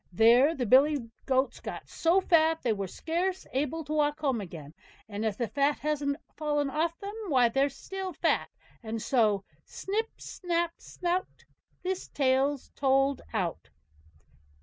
There the billy goats got so fat they were scarce able to walk home again; and if the fat hasn't fallen off them, why they're still fat; and so: Snip, snap, snout, This tale's told out.